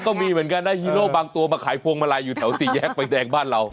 ก็มีเหมือนกันนะฮีโร่บางตัวมาขายพวงมาลัยอยู่แถวสี่แยกไฟแดงบ้านเรา